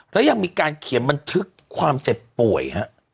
แล้วยังมีการเขียนบันทึกความเจ็บป่วยฮะ